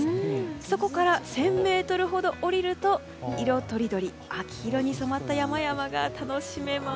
そこから１０００ｍほど下りると秋色に染まった山々が楽しめます。